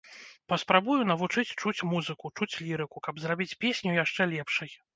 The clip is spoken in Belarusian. Паспрабую навучыць чуць музыку, чуць лірыку, каб зрабіць песню яшчэ лепшай.